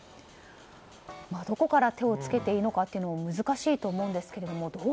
どこから手を付けていいのかも難しいと思うんですけれども。